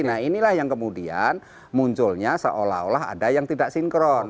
nah inilah yang kemudian munculnya seolah olah ada yang tidak sinkron